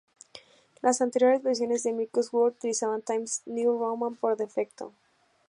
Las anteriores versiones de Microsoft Word utilizaban Times New Roman por defecto.